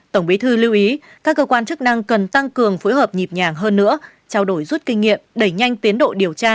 tổng bí thư lưu ý các cơ quan chức năng cần tăng cường phối hợp nhịp nhàng hơn nữa trao đổi rút kinh nghiệm đẩy nhanh tiến độ điều tra